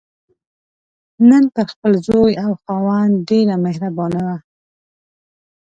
نن پر خپل زوی او خاوند ډېره مهربانه وه.